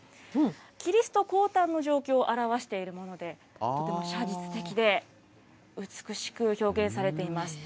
キリスト降誕の状況を表しているもので、とても写実的で、美しく表現されています。